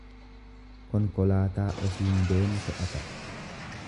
konkolaataa ofiin deemu to'ata.